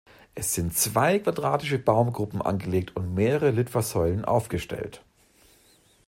Es sind zwei quadratische Baumgruppen angelegt und mehrere Litfaßsäulen aufgestellt.